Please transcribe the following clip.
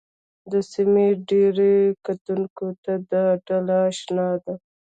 د سیمې ډېرو کتونکو ته دا ډله اشنا ده